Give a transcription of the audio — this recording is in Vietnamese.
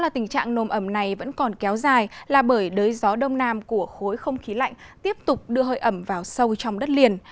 tình trạng nồm ẩm này vẫn còn kéo dài là bởi đới gió đông nam của khối không khí lạnh tiếp tục đưa hơi ẩm vào sâu trong đất liền